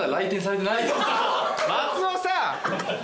松尾さん！